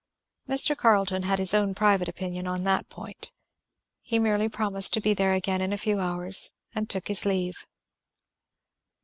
Mr. Carleton had his own private opinion on that point. He merely promised to be there again in a few hours and took his leave.